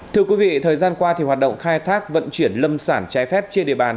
thưa quý vị thời gian qua hoạt động khai thác vận chuyển lâm sản trái phép trên địa bàn